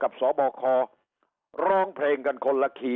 กับสสบศร้องเพลงกันคนละคี